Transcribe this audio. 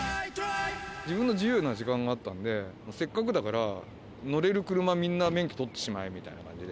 自分の自由な時間があったので、せっかくだから乗れる車、みんな免許取ってしまえみたいな感じで。